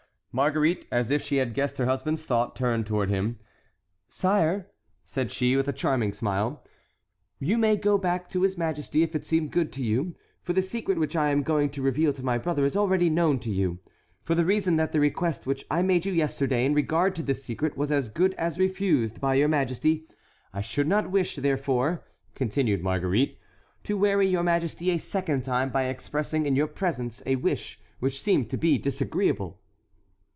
Marguerite, as if she had guessed her husband's thought, turned toward him. "Sire," said she, with a charming smile, "you may go back to his majesty if it seem good to you, for the secret which I am going to reveal to my brother is already known to you, for the reason that the request which I made you yesterday in regard to this secret was as good as refused by your majesty. I should not wish, therefore," continued Marguerite, "to weary your majesty a second time by expressing in your presence a wish which seemed to be disagreeable."